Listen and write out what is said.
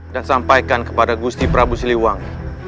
dan sampaikan kepada gusti prabu siliwangi